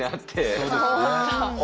そうですね。